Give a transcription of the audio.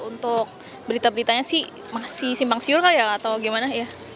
untuk berita beritanya sih masih simpang siur kak ya atau gimana ya